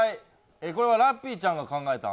これはラッピーちゃんが考えたん？